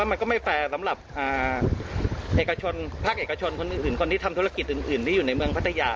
มันก็ไม่แฟร์สำหรับเอกชนภาคเอกชนคนอื่นคนที่ทำธุรกิจอื่นที่อยู่ในเมืองพัทยา